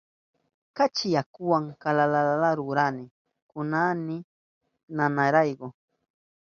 Kachi yakuwa kalalala rurani kunkayni nanayrayku.